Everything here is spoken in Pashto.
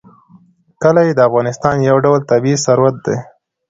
کلي د افغانستان یو ډول طبعي ثروت دی.